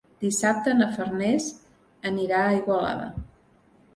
Dissabte na Farners anirà a Igualada.